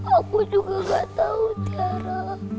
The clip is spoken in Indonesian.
aku juga gak tau tiara